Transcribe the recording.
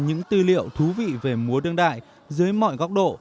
những tư liệu thú vị về múa đương đại dưới mọi góc độ